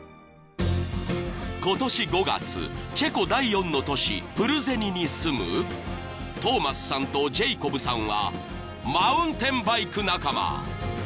［チェコ第４の都市プルゼニに住むトーマスさんとジェイコブさんはマウンテンバイク仲間］